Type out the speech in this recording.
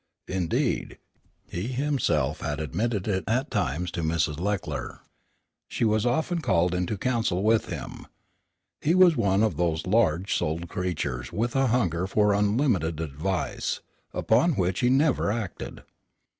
Indeed, he himself had admitted it at times to Mrs. Leckler. She was often called into counsel with him. He was one of those large souled creatures with a hunger for unlimited advice, upon which he never acted.